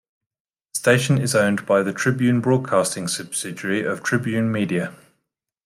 The station is owned by the Tribune Broadcasting subsidiary of Tribune Media.